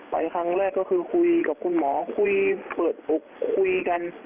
ไปครั้งแรกก็คือคุยกับคุณหมอคุยเปิดอกคุยกัน